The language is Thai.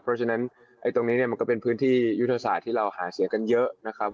เพราะฉะนั้นตรงนี้เนี่ยมันก็เป็นพื้นที่ยุทธศาสตร์ที่เราหาเสียงกันเยอะนะครับ